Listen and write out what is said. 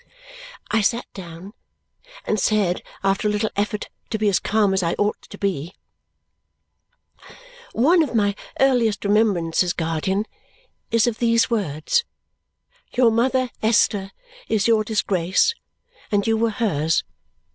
I sat down and said after a little effort to be as calm as I ought to be, "One of my earliest remembrances, guardian, is of these words: 'Your mother, Esther, is your disgrace, and you were hers.